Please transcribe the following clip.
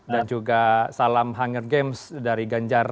dan juga salam hunger games dari ganjar